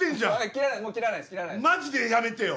マジでやめてよ。